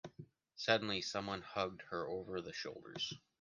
Suddenly someone hugged her over the shoulders.